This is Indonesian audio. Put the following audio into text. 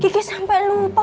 kiki sampai lupa